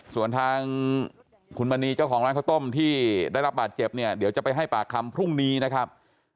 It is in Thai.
ส่วนทางคุณมณีเจ้าของร้านข้าวต้มที่ได้รับบาดเจ็บเนี่ยเดี๋ยวจะไปให้ปากคำพรุ่งนี้นะครับ